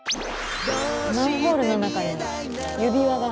マンホールの中に指輪が。